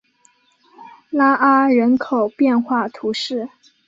拉阿人口变化图示